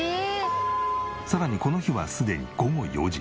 さらにこの日はすでに午後４時。